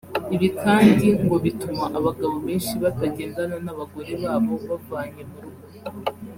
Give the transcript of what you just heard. Ibi kandi ngo bituma abagabo benshi batagendana n’abagore babo bavanye mu rugo